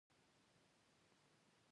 او په اوبو کې یې ووینځو.